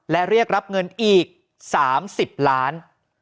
และเรียกรับเงินอีก๓๐ล้าน